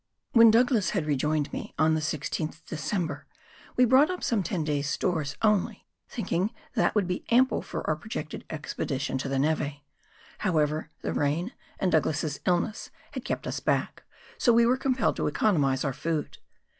When Douglas had rejoined me on the 16th December, we brought up some ten days' stores only, thinking that would be ample for our projected expedition to the neve ; however, the rain and Douglas's illness had kept us back, so we were compelled to economise our food.